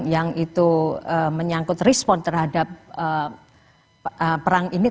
yang itu menyangkut respon terhadap perang ini